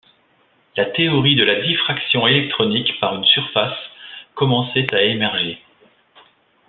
La théorie de la diffraction électronique par une surface commençait à émerger.